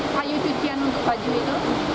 kayu cucian untuk baju itu